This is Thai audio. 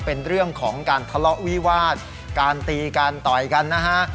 เป็นเรื่องของการทะเลาะวิวาสการตีการต่อยกันนะฮะ